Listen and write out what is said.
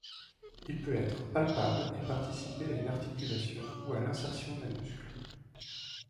Il peut être palpable et participer à une articulation ou à l'insertion d'un muscle.